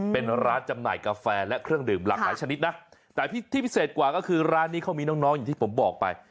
เป็นร้านจำหน่ายกาแฟและเครื่องดื่มหลากหลายชนิดนะแต่ที่พิเศษกว่าก็คือร้านนี้เขามีน้องน้องอย่างที่ผมบอกไป